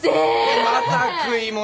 また食いもの？